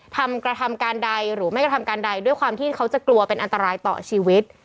ทำกระทำการใดหรือไม่กระทำการใดด้วยความที่เขาจะกลัวเป็นอันตรายต่อชีวิต